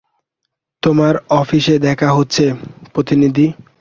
তোমার অফিসে দেখা হচ্ছে, প্রতিনিধি।